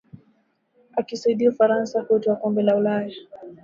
akiisaidia Ufaransa kutwaa kombe la Ulaya